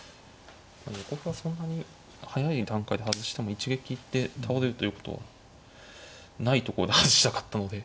横歩はそんなに早い段階で外しても一撃で倒れるということはないところで外したかったので。